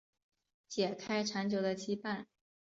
解开长久的羁绊